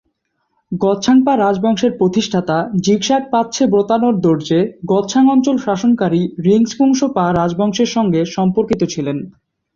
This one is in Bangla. গ্ত্সাং-পা রাজবংশের প্রতিষ্ঠাতা ঝিগ-শাগ-পা-ত্শে-ব্র্তান-র্দো-র্জে গ্ত্সাং অঞ্চল শাসনকারী রিং-স্পুংস-পা রাজবংশের সঙ্গে সম্পর্কিত ছিলেন।